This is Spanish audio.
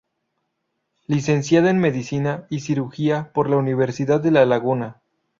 Licenciada en Medicina y Cirugía por la Universidad de La Laguna.